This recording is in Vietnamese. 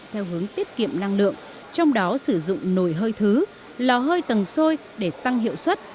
theo hướng tiết kiệm năng lượng trong đó sử dụng nồi hơi thứ lò hơi tầng sôi để tăng hiệu suất